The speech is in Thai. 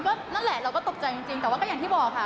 ก็เละแล้วเราก็ตกใจจริงแต่ก็อย่างที่บอกค่ะ